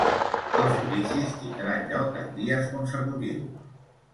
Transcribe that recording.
Els judicis tindran lloc en dies consecutius.